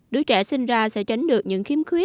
đứa trẻ sinh ra sẽ tránh được những